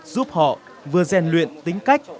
giúp họ vừa gian luyện tính cách